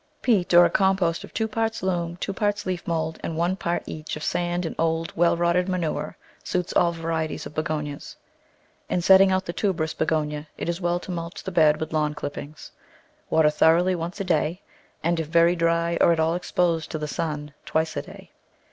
Peat, or a compost of two parts loam, two parts leaf mould, and one part each of sand and old, well rotted manure suits all varieties of Begonias. In set ting out the tuberous Begonia it is well to mulch the bed with lawn clippings. Water thoroughly once a day, and, if very dry, or at all exposed to the sun, twice a day.